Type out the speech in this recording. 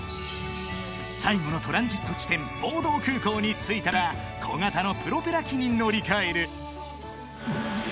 ［最後のトランジット地点ボードー空港に着いたら小型のプロペラ機に乗り換える］